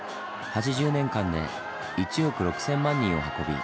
８０年間で１億６，０００万人を運び